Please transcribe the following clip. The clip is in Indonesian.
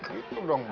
gitu dong pak